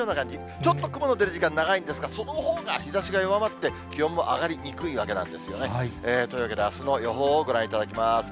ちょっと雲の出る時間長いんですが、そのほうが日ざしが弱まって、気温も上がりにくいわけなんですよね。というわけで、あすの予報をご覧いただきます。